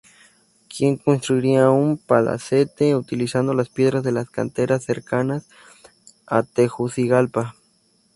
Quien construiría un palacete utilizando las piedras de las canteras cercanas a Tegucigalpa.